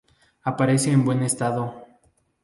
Aparece en buen estado